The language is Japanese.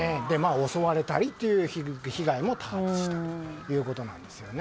襲われたりという被害も多発したということです。